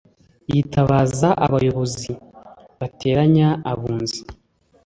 yitabaza abayobozi. Bateranya abunzi